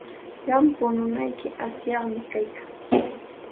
Qampa pununayki asyaqmi kaykan.